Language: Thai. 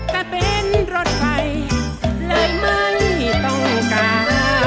แต่เป็นรถไฟเลยไม่ต้องการ